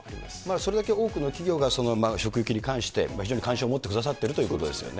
それだけ多くの企業が職域に関して、非常に関心を持ってくださっているということですよね。